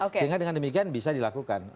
sehingga dengan demikian bisa dilakukan